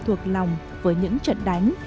thuộc lòng với những trận đánh